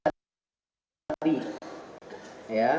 ya konsekuensi juga